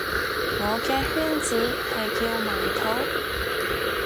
我嘅圈子係叫埋土